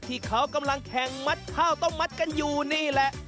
ที่เขากำลังแข่งมัดข้าวต้มมัดกันอยู่นี่แหละ